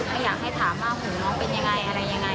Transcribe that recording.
ไม่อยากให้ถามหัวหนองเป็นยังไงอะไรยังไง